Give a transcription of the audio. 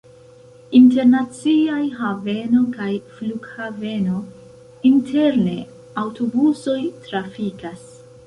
Internaciaj haveno kaj flughaveno, interne aŭtobusoj trafikas.